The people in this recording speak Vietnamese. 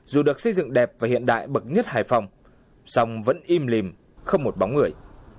dù được xây dựng đẹp và hiện đại bậc nhất hải phòng song vẫn im lìm không một bóng người